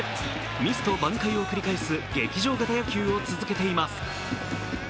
ミスと挽回を繰り返す劇場型野球を続けています。